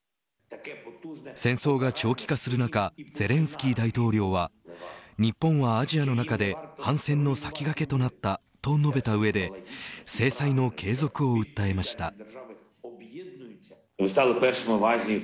戦争が長期化する中ゼレンスキー大統領は日本はアジアの中で反戦の先駆けとなったと述べた上で制裁の継続を訴えました。